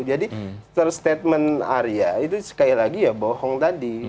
jadi terstatement arya itu sekali lagi ya bohong tadi